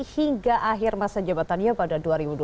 hingga akhir masa jabatannya pada dua ribu dua puluh